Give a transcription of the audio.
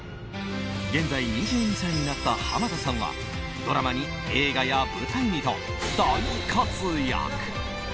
現在、２２歳になった濱田さんはドラマに映画や舞台にと大活躍。